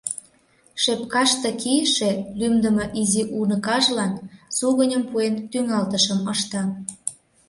Шепкаште кийыше лӱмдымӧ изи уныкажлан сугыньым пуэн, тӱҥалтышым ышта.